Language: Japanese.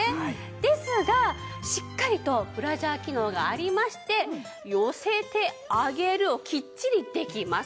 ですがしっかりとブラジャー機能がありまして寄せて上げるをきっちりできます。